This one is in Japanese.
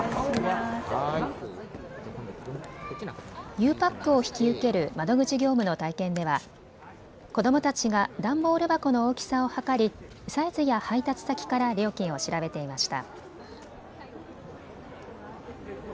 ゆうパックを引き受ける窓口業務の体験では子どもたちが段ボール箱の大きさを測りサイズや配達先から料金を調べていました。